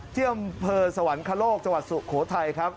เจ้ำเผลอสวรรคโลกจัวรรค์สุโขทัย